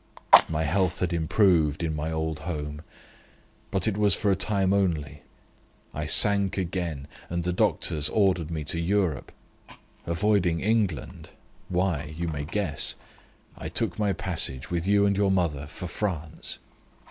"My health had improved in my old home but it was for a time only. I sank again, and the doctors ordered me to Europe. Avoiding England (why, you may guess), I took my passage, with you and your mother, for France.